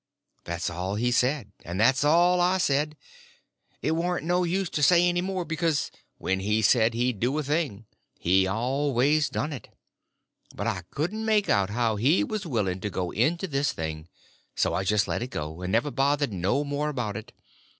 That's all he said, and that's all I said. It warn't no use to say any more; because when he said he'd do a thing, he always done it. But I couldn't make out how he was willing to go into this thing; so I just let it go, and never bothered no more about it.